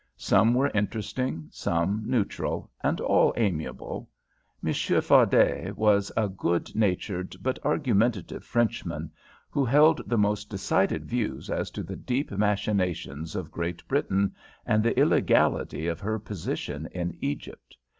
Some were interesting, some neutral, and all amiable. Monsieur Fardet was a good natured but argumentative Frenchman, who held the most decided views as to the deep machinations of Great Britain and the illegality of her position in Egypt.